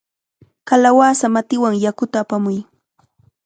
¡Kalawasa matiwan yakuta apamuy!